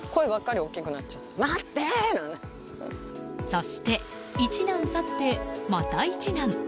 そして、一難去ってまた一難。